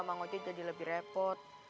emang ojek jadi lebih repot